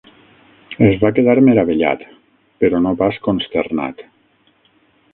Es va quedar meravellat, però no pas consternat.